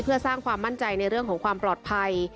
เพื่อสร้างความมั่นใจในเรื่องของความปลอดภัย